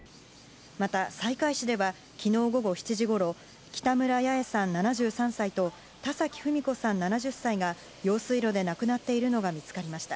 また西海市では昨日午後７時ごろ北村ヤエさん、７３歳と田崎文子さん、７０歳が用水路で亡くなっているのが見つかりました。